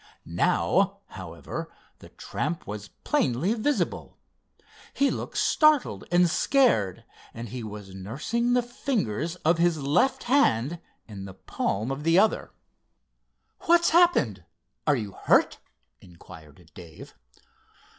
Now, however, the tramp was plainly visible. He looked startled and scared and he was nursing the fingers of his left hand in the palm of the other. "What's happened—are you hurt?" inquired Dave.